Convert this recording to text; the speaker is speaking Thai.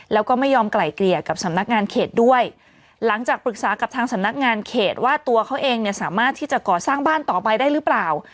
แล้วก็ไม่ยอมไกลเกลี่ยกับสำนักงานเขตด้วยหลังจากปรึกษากับทางสำนักงานเขตว่าตัวเขาเองเนี่ยสามารถที่จะก่อสร้างบ้านต่อไปได้หรือเปล่า